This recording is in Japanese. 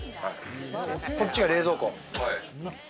こっちが冷蔵庫。